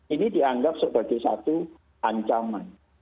ini dianggap sebagai satu ancaman